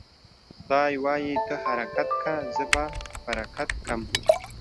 خداى وايي: ته حرکت که ، زه به برکت کم.